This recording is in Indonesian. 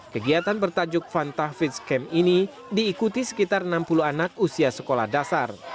kegiatan bertajuk fanta fitch camp ini diikuti sekitar enam puluh anak usia sekolah dasar